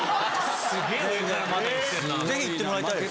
ぜひ行ってもらいたいです。